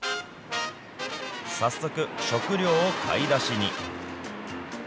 早速、食料を買い出しに。